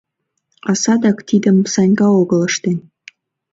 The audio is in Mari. — А садак тидым Санька огыл ыштен...